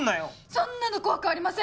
そんなの怖くありません！